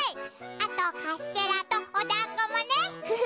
あとカステラとおだんごもね。